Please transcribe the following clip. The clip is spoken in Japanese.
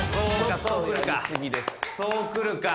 そうくるか。